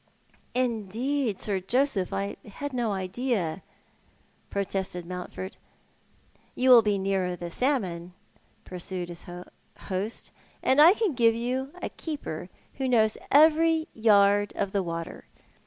" Indeed, Sir Joseph, I had no idea " protested !Mountford. " You will be nearer the salmon," pursued his host, " and I can give you a keeper who knows every yard of tJie water.